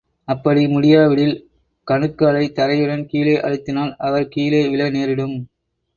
அப்படி முடியாவிடில், கணுக்காலை தரையுடன் கீழே அழுத்தினால் அவர் கீழே விழ நேரிடும்.